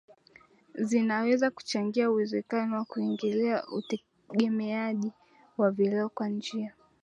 zinaweza kuchangia uwezekano wa kuingilia utegemeaji wa vileo kwa njia